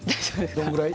どのぐらい？